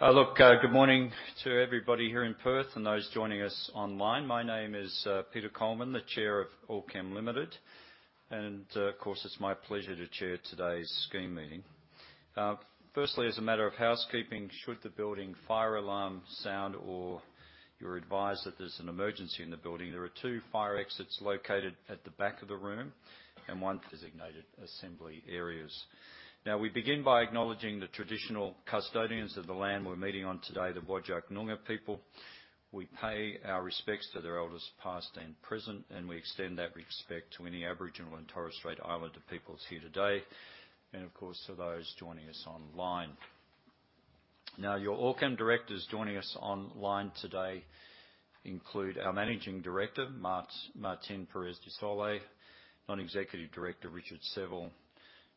Look, good morning to everybody here in Perth and those joining us online. My name is Peter Coleman, the Chair of Allkem Limited, and, of course, it's my pleasure to chair today's scheme meeting. Firstly, as a matter of housekeeping, should the building fire alarm sound or you're advised that there's an emergency in the building, there are two fire exits located at the back of the room and one designated assembly areas. Now, we begin by acknowledging the Traditional Custodians of the land we're meeting on today, the Whadjuk Noongar people. We pay our respects to their Elders, past and present, and we extend that respect to any Aboriginal and Torres Strait Islander peoples here today, and of course, to those joining us online. Now, your Allkem directors joining us online today include our Managing Director, Martín Pérez de Solay; Non-Executive Director, Richard Seville;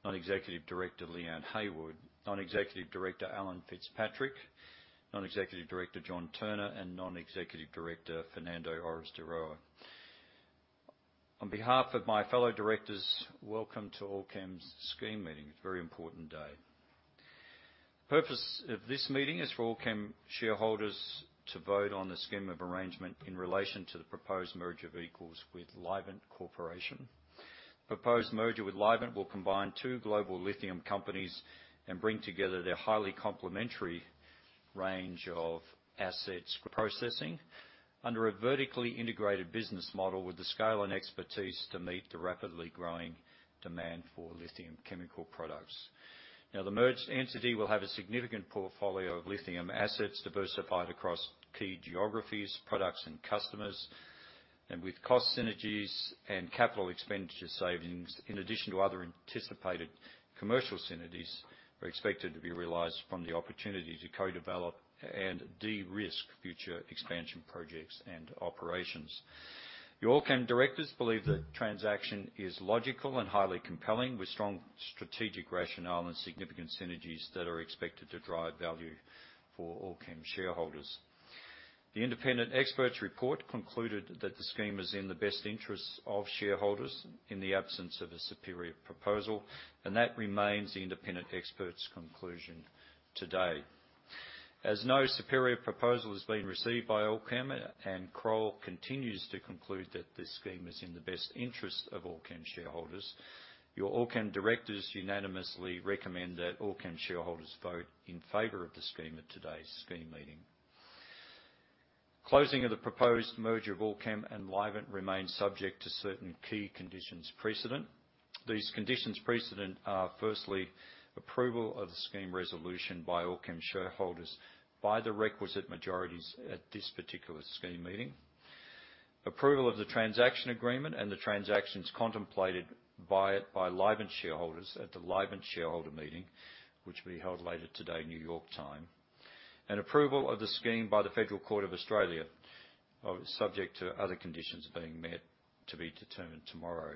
Non-Executive Director, Leanne Heywood; Non-Executive Director, Alan Fitzpatrick; Non-Executive Director, John Turner, and Non-Executive Director, Fernando Oris de Roa. On behalf of my fellow directors, welcome to Allkem's scheme meeting. It's a very important day. The purpose of this meeting is for Allkem shareholders to vote on the scheme of arrangement in relation to the proposed merger of equals with Livent Corporation. Proposed merger with Livent will combine two global lithium companies and bring together their highly complementary range of assets processing under a vertically integrated business model with the scale and expertise to meet the rapidly growing demand for lithium chemical products. Now, the merged entity will have a significant portfolio of lithium assets diversified across key geographies, products, and customers. With cost synergies and capital expenditure savings, in addition to other anticipated commercial synergies, are expected to be realized from the opportunity to co-develop and de-risk future expansion projects and operations. The Allkem directors believe the transaction is logical and highly compelling, with strong strategic rationale and significant synergies that are expected to drive value for Allkem shareholders. The independent expert's report concluded that the scheme is in the best interest of shareholders in the absence of a superior proposal, and that remains the independent expert's conclusion today. As no superior proposal has been received by Allkem, and Kroll continues to conclude that this scheme is in the best interest of Allkem shareholders, your Allkem directors unanimously recommend that Allkem shareholders vote in favor of the scheme at today's scheme meeting. Closing of the proposed merger of Allkem and Livent remains subject to certain key conditions precedent. These conditions precedent are, firstly, approval of the scheme resolution by Allkem shareholders by the requisite majorities at this particular scheme meeting. Approval of the transaction agreement and the transactions contemplated by it by Livent shareholders at the Livent shareholder meeting, which will be held later today in New York time. And approval of the scheme by the Federal Court of Australia, subject to other conditions being met to be determined tomorrow.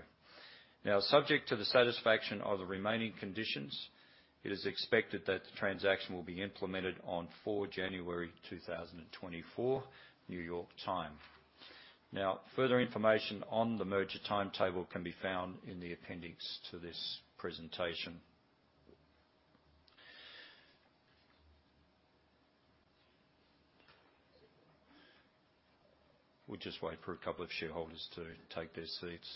Now, subject to the satisfaction of the remaining conditions, it is expected that the transaction will be implemented on 4 January 2024, New York time. Now, further information on the merger timetable can be found in the appendix to this presentation. We'll just wait for a couple of shareholders to take their seats.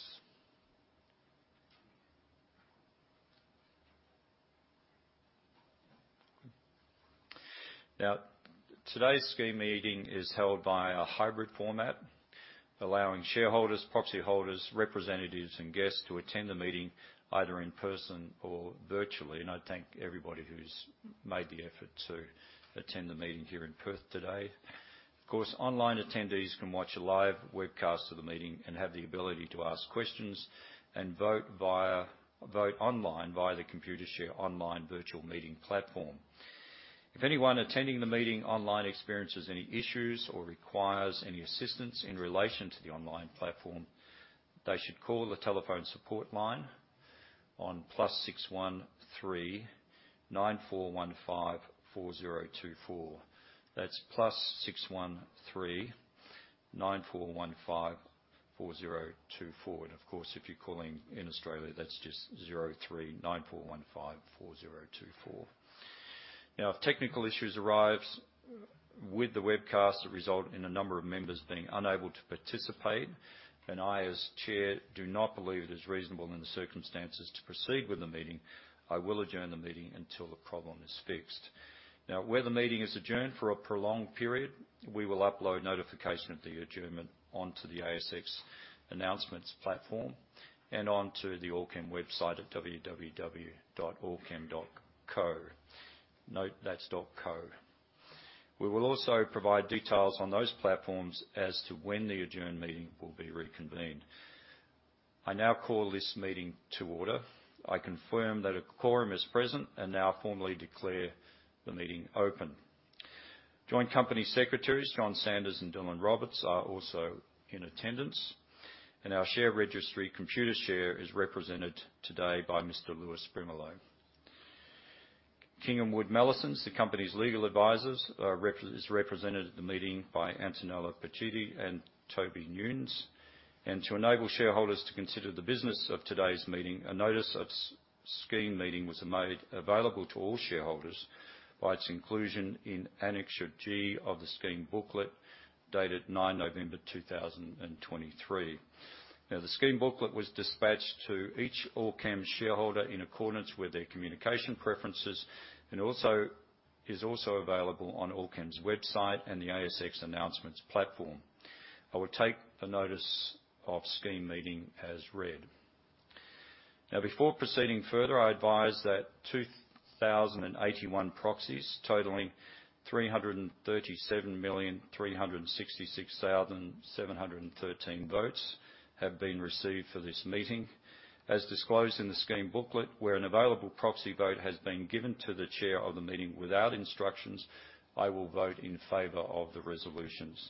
Now, today's scheme meeting is held by a hybrid format, allowing shareholders, proxy holders, representatives, and guests to attend the meeting either in person or virtually, and I thank everybody who's made the effort to attend the meeting here in Perth today. Of course, online attendees can watch a live webcast of the meeting and have the ability to ask questions and vote online via the Computershare Online virtual meeting platform. If anyone attending the meeting online experiences any issues or requires any assistance in relation to the online platform, they should call the telephone support line on +61 3 9415 4024. That's +61 3 9415 4024. And of course, if you're calling in Australia, that's just 03 9415 4024. Now, if technical issues arise with the webcast that result in a number of members being unable to participate, and I, as chair, do not believe it is reasonable in the circumstances to proceed with the meeting, I will adjourn the meeting until the problem is fixed. Now, where the meeting is adjourned for a prolonged period, we will upload notification of the adjournment onto the ASX announcements platform and onto the Allkem website at www.allkem.co. Note that's .co. We will also provide details on those platforms as to when the adjourned meeting will be reconvened. I now call this meeting to order. I confirm that a quorum is present and now formally declare the meeting open. Joint Company Secretaries John Sanders and Dylan Roberts are also in attendance, and our share registry, Computershare, is represented today by Mr. Lewis Brimelow. King & Wood Mallesons, the company's legal advisors, is represented at the meeting by Antonella Pacitti and Toby Newnes. To enable shareholders to consider the business of today's meeting, a notice of scheme meeting was made available to all shareholders by its inclusion in Annexure G of the scheme booklet, dated 9 November 2023. Now, the scheme booklet was dispatched to each Allkem shareholder in accordance with their communication preferences, and also is available on Allkem's website and the ASX announcements platform. I will take the notice of scheme meeting as read. Now, before proceeding further, I advise that 2,081 proxies, totaling 337,366,713 votes, have been received for this meeting. As disclosed in the Scheme Booklet, where an available proxy vote has been given to the chair of the meeting without instructions, I will vote in favor of the resolutions.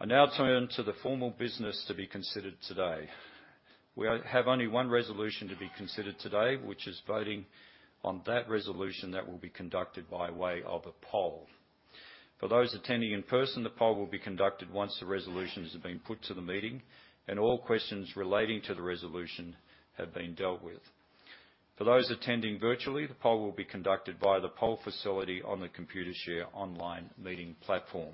I now turn to the formal business to be considered today. We have only one resolution to be considered today, which is voting on that resolution that will be conducted by way of a poll. For those attending in person, the poll will be conducted once the resolutions have been put to the meeting and all questions relating to the resolution have been dealt with. For those attending virtually, the poll will be conducted via the poll facility on the Computershare online meeting platform.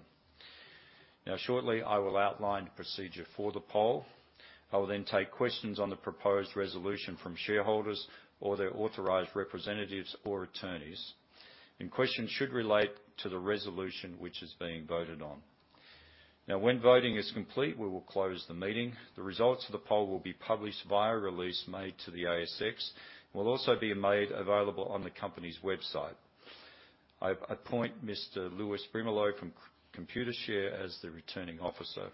Now, shortly, I will outline the procedure for the poll. I will then take questions on the proposed resolution from shareholders or their authorized representatives or attorneys, and questions should relate to the resolution which is being voted on. Now, when voting is complete, we will close the meeting. The results of the poll will be published via a release made to the ASX, and will also be made available on the company's website. I appoint Mr. Lewis Brimelow from Computershare as the Returning Officer.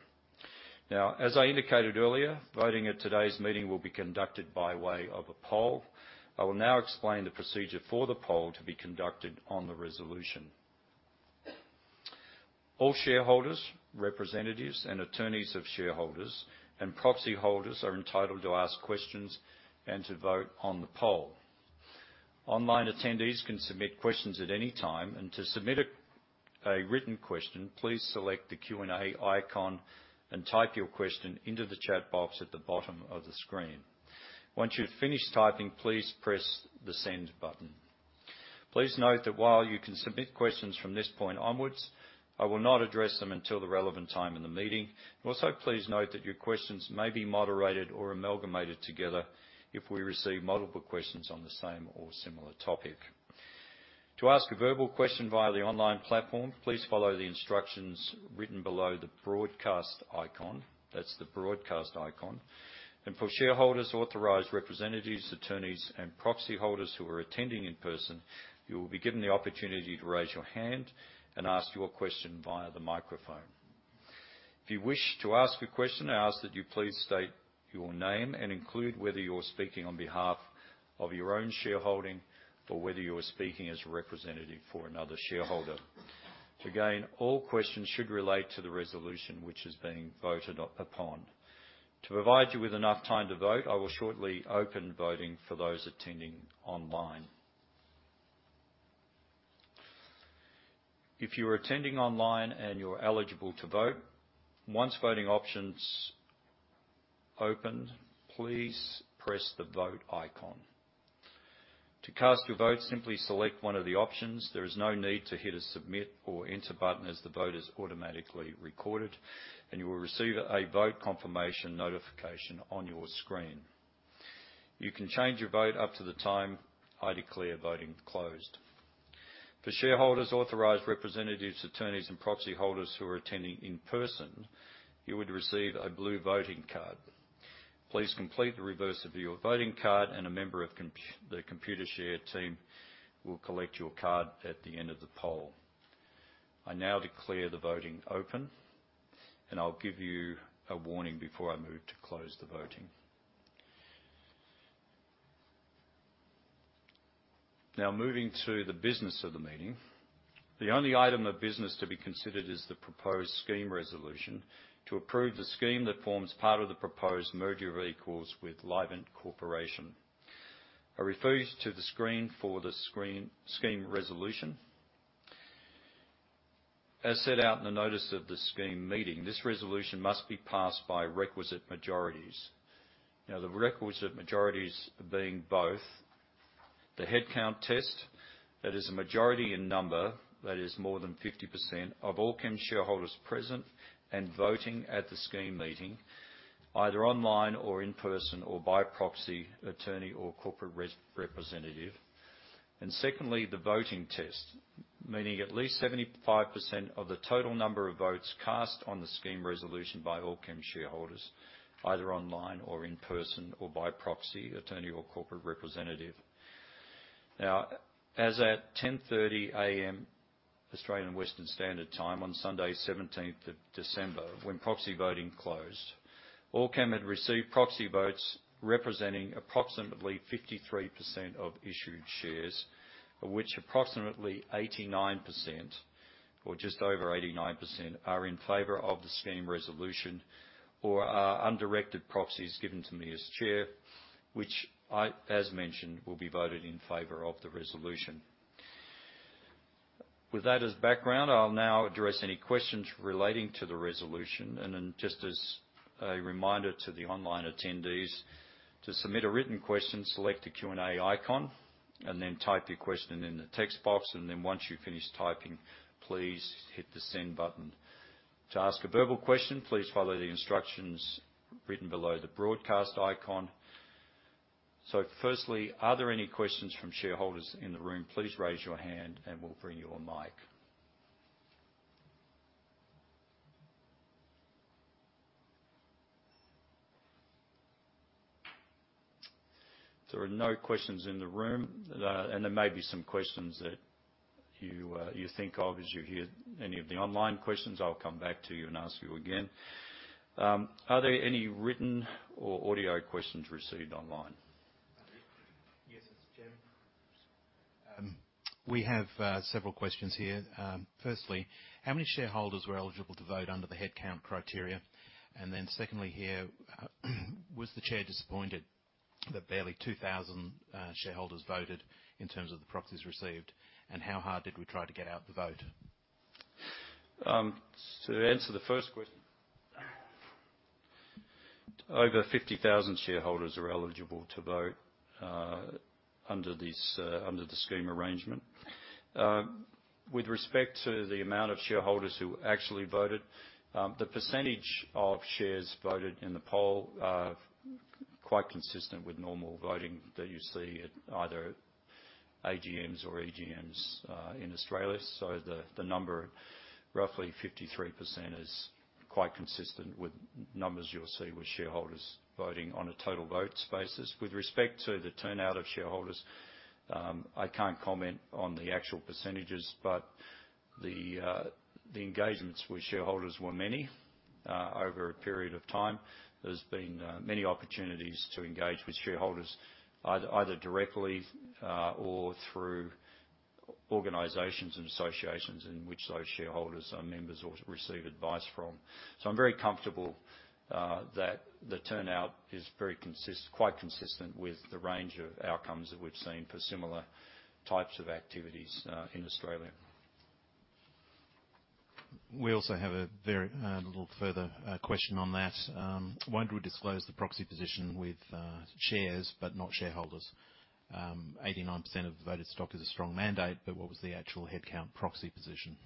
Now, as I indicated earlier, voting at today's meeting will be conducted by way of a poll. I will now explain the procedure for the poll to be conducted on the resolution. All shareholders, representatives, and attorneys of shareholders and proxy holders are entitled to ask questions and to vote on the poll. Online attendees can submit questions at any time, and to submit a written question, please select the Q&A icon and type your question into the chat box at the bottom of the screen. Once you've finished typing, please press the Send button. Please note that while you can submit questions from this point onwards, I will not address them until the relevant time in the meeting. Also, please note that your questions may be moderated or amalgamated together if we receive multiple questions on the same or similar topic. To ask a verbal question via the online platform, please follow the instructions written below the Broadcast icon. That's the Broadcast icon. For shareholders, authorized representatives, attorneys, and proxy holders who are attending in person, you will be given the opportunity to raise your hand and ask your question via the microphone. If you wish to ask a question, I ask that you please state your name and include whether you're speaking on behalf of your own shareholding or whether you are speaking as a representative for another shareholder. To ensure, all questions should relate to the resolution which is being voted upon. To provide you with enough time to vote, I will shortly open voting for those attending online. If you are attending online and you're eligible to vote, once voting option's opened, please press the Vote icon. To cast your vote, simply select one of the options. There is no need to hit a Submit or Enter button, as the vote is automatically recorded, and you will receive a vote confirmation notification on your screen. You can change your vote up to the time I declare voting closed. For shareholders, authorized representatives, attorneys, and proxy holders who are attending in person, you would receive a blue voting card. Please complete the reverse of your voting card, and a member of the Computershare team will collect your card at the end of the poll. I now declare the voting open, and I'll give you a warning before I move to close the voting. Now, moving to the business of the meeting. The only item of business to be considered is the proposed scheme resolution, to approve the scheme that forms part of the proposed merger of equals with Livent Corporation. I refer you to the screen for the scheme resolution. As set out in the notice of the scheme meeting, this resolution must be passed by requisite majorities. Now, the requisite majorities being both the headcount test, that is a majority in number, that is more than 50% of Allkem shareholders present and voting at the scheme meeting, either online or in person, or by proxy, attorney, or corporate representative. And secondly, the voting test, meaning at least 75% of the total number of votes cast on the scheme resolution by Allkem shareholders, either online or in person, or by proxy, attorney, or corporate representative. Now, as at 10:30 A.M., Australian Western Standard Time, on Sunday, 17th of December, when proxy voting closed, Allkem had received proxy votes representing approximately 53% of issued shares, of which approximately 89%, or just over 89%, are in favor of the scheme resolution or are undirected proxies given to me as Chair, which I, as mentioned, will be voted in favor of the resolution. With that as background, I'll now address any questions relating to the resolution. And then just as a reminder to the online attendees, to submit a written question, select the Q&A icon, and then type your question in the text box, and then once you've finished typing, please hit the Send button. To ask a verbal question, please follow the instructions written below the Broadcast icon. So firstly, are there any questions from shareholders in the room? Please raise your hand and we'll bring you a mic. There are no questions in the room. There may be some questions that you, you think of as you hear any of the online questions. I'll come back to you and ask you again. Are there any written or audio questions received online? Yes, Jim. We have several questions here. Firstly, how many shareholders were eligible to vote under the headcount criteria? And then secondly, here, was the Chair disappointed that barely 2,000 shareholders voted in terms of the proxies received? And how hard did we try to get out the vote? So to answer the first question, over 50,000 shareholders are eligible to vote under the scheme arrangement. With respect to the amount of shareholders who actually voted, the percentage of shares voted in the poll are quite consistent with normal voting that you see at either AGMs or EGMs in Australia. So the number, roughly 53%, is quite consistent with numbers you'll see with shareholders voting on a total votes basis. With respect to the turnout of shareholders, I can't comment on the actual percentages, but the engagements with shareholders were many over a period of time. There's been many opportunities to engage with shareholders, either directly or through organizations and associations in which those shareholders are members or receive advice from. I'm very comfortable that the turnout is quite consistent with the range of outcomes that we've seen for similar types of activities in Australia. We also have a very little further question on that. Why don't we disclose the proxy position with shares, but not shareholders? 89% of the voted stock is a strong mandate, but what was the actual headcount proxy position?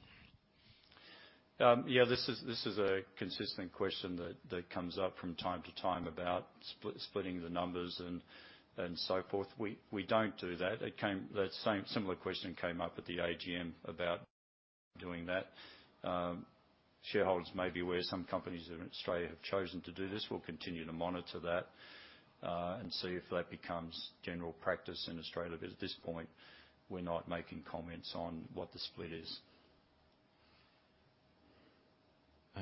Yeah, this is a consistent question that comes up from time to time about splitting the numbers and so forth. We don't do that. That same similar question came up at the AGM about doing that. Shareholders may be aware some companies in Australia have chosen to do this. We'll continue to monitor that and see if that becomes general practice in Australia, but at this point, we're not making comments on what the split is.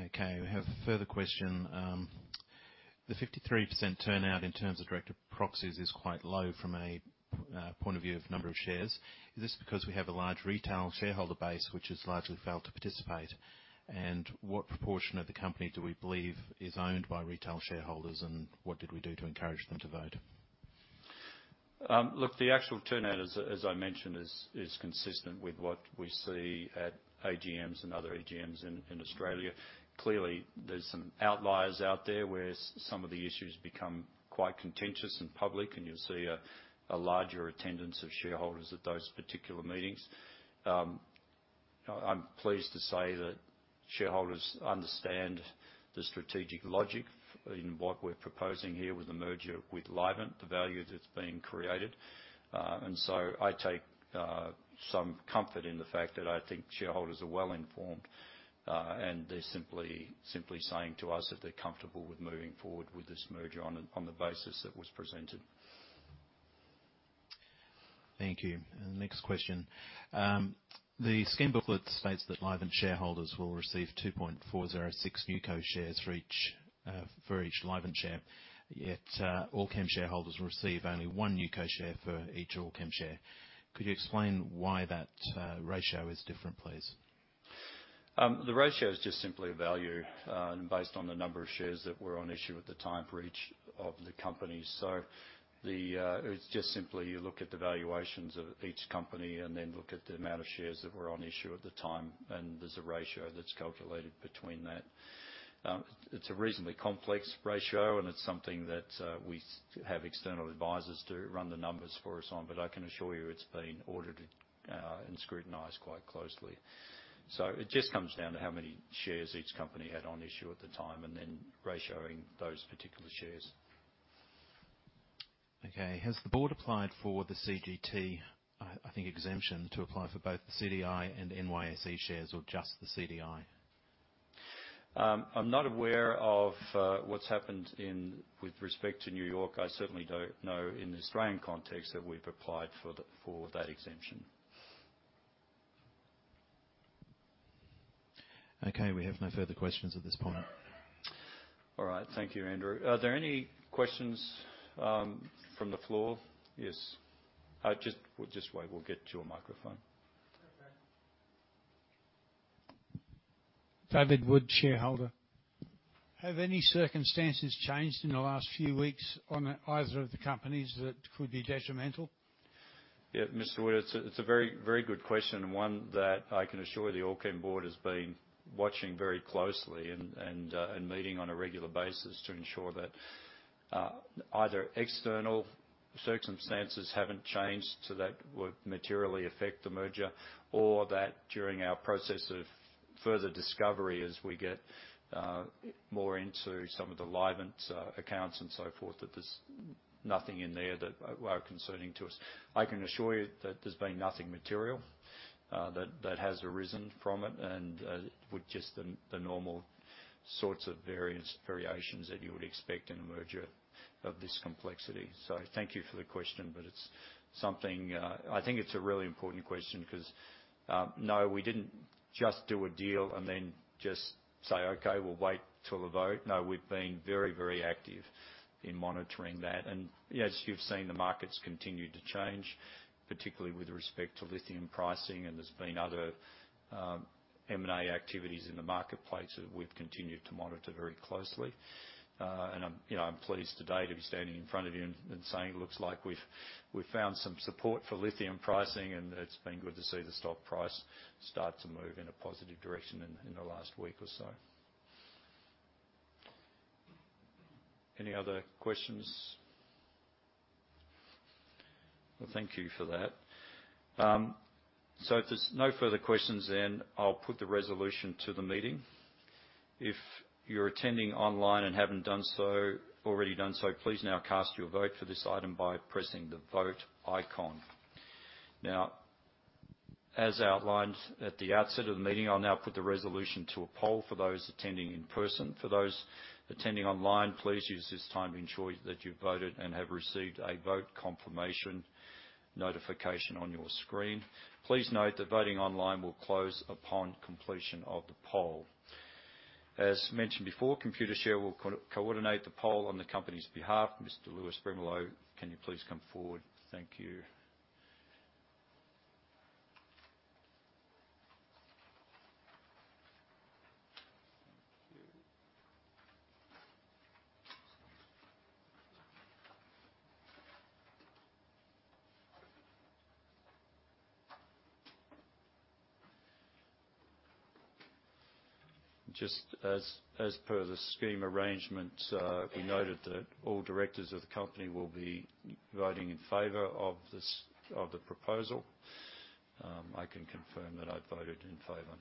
Okay, we have a further question. The 53% turnout in terms of director proxies is quite low from a point of view of number of shares. Is this because we have a large retail shareholder base which has largely failed to participate? And what proportion of the company do we believe is owned by retail shareholders, and what did we do to encourage them to vote? Look, the actual turnout, as I mentioned, is consistent with what we see at AGMs and other EGMs in Australia. Clearly, there's some outliers out there, where some of the issues become quite contentious in public, and you'll see a larger attendance of shareholders at those particular meetings. I'm pleased to say that shareholders understand the strategic logic in what we're proposing here with the merger with Livent, the value that's being created. And so I take some comfort in the fact that I think shareholders are well informed, and they're simply saying to us that they're comfortable with moving forward with this merger on the basis that was presented. Thank you. Next question. The Scheme Booklet states that Livent shareholders will receive 2.406 NewCo shares for each for each Livent share, yet Allkem shareholders will receive only one NewCo share for each Allkem share. Could you explain why that ratio is different, please? The ratio is just simply a value, and based on the number of shares that were on issue at the time for each of the companies. So the... It's just simply, you look at the valuations of each company and then look at the amount of shares that were on issue at the time, and there's a ratio that's calculated between that. It's a reasonably complex ratio, and it's something that, we have external advisors to run the numbers for us on, but I can assure you it's been audited, and scrutinized quite closely. So it just comes down to how many shares each company had on issue at the time and then ratioing those particular shares. Okay. Has the board applied for the CGT, I think, exemption to apply for both the CDI and NYSE shares or just the CDI? I'm not aware of what's happened in with respect to New York. I certainly don't know in the Australian context that we've applied for the, for that exemption. Okay, we have no further questions at this point. All right. Thank you, Andrew. Are there any questions from the floor? Yes. Just wait, we'll get you a microphone. Okay... David Wood, shareholder. Have any circumstances changed in the last few weeks on either of the companies that could be detrimental? Yeah, Mr. Wood, it's a, it's a very, very good question, and one that I can assure you the Allkem board has been watching very closely and, and, and meeting on a regular basis to ensure that, either external circumstances haven't changed, so that would materially affect the merger, or that during our process of further discovery, as we get, more into some of the Livent, accounts and so forth, that there's nothing in there that are concerning to us. I can assure you that there's been nothing material, that, that has arisen from it, and, with just the, the normal sorts of various variations that you would expect in a merger of this complexity. So thank you for the question, but it's something, I think it's a really important question, 'cause, no, we didn't just do a deal and then just say, "Okay, we'll wait till the vote." No, we've been very, very active in monitoring that. And as you've seen, the market's continued to change, particularly with respect to lithium pricing, and there's been other, M&A activities in the marketplace that we've continued to monitor very closely. And I'm, you know, I'm pleased today to be standing in front of you and, and saying it looks like we've, we've found some support for lithium pricing, and it's been good to see the stock price start to move in a positive direction in, in the last week or so. Any other questions? Well, thank you for that. So if there's no further questions, then I'll put the resolution to the meeting. If you're attending online and haven't already done so, please now cast your vote for this item by pressing the Vote icon. Now, as outlined at the outset of the meeting, I'll now put the resolution to a poll for those attending in person. For those attending online, please use this time to ensure that you've voted and have received a vote confirmation notification on your screen. Please note that voting online will close upon completion of the poll. As mentioned before, Computershare will coordinate the poll on the company's behalf. Mr. Lewis Brimelow, can you please come forward? Thank you. Thank you. Just as per the scheme arrangement, we noted that all directors of the company will be voting in favor of the proposal. I can confirm that I've voted in favor.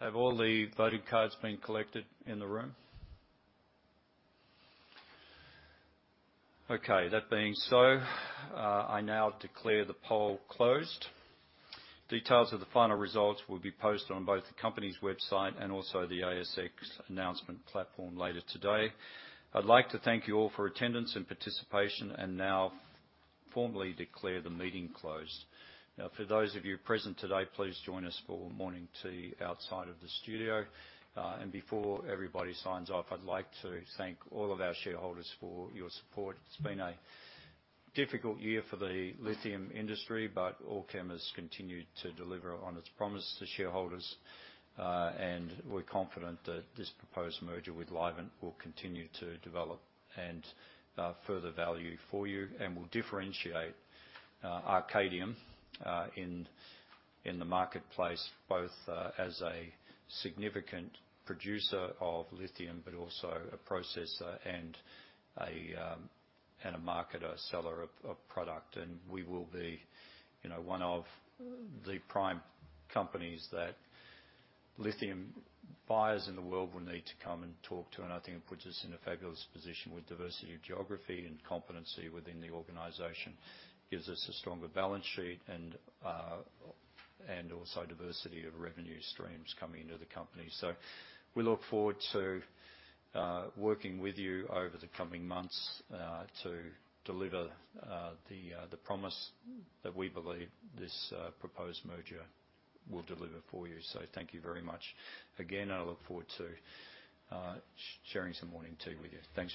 Have all the voting cards been collected in the room? Okay, that being so, I now declare the poll closed. Details of the final results will be posted on both the company's website and also the ASX announcement platform later today. I'd like to thank you all for attendance and participation, and now formally declare the meeting closed. Now, for those of you present today, please join us for morning tea outside of the studio. And before everybody signs off, I'd like to thank all of our shareholders for your support. It's been a difficult year for the lithium industry, but Allkem has continued to deliver on its promise to shareholders. And we're confident that this proposed merger with Livent will continue to develop and further value for you, and will differentiate Arcadium in the marketplace, both as a significant producer of lithium, but also a processor and a marketer, seller of product. And we will be, you know, one of the prime companies that lithium buyers in the world will need to come and talk to. And I think it puts us in a fabulous position with diversity of geography and competency within the organization. Gives us a stronger balance sheet and also diversity of revenue streams coming into the company. So we look forward to working with you over the coming months to deliver the promise that we believe this proposed merger will deliver for you. So thank you very much again, and I look forward to sharing some morning tea with you. Thanks.